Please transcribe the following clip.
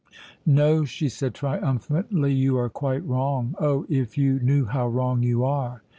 "No," she said triumphantly, "you are quite wrong. Oh, if you knew how wrong you are!"